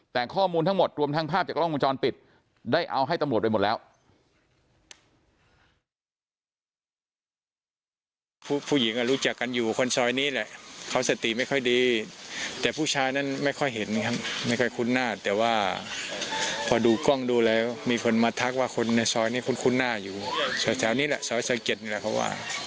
แต่ข้อมูลทั้งหมดรวมทั้งภาพจากกล้องวงจรปิดได้เอาให้ตำรวจไปหมดแล้ว